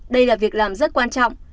đây là việc làm rất quan trọng